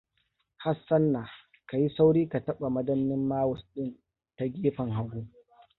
Hassanna: ka yi sauri ka taɓa madannin mouse ɗin ta gefen hagu.